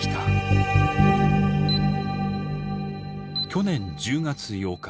去年１０月８日。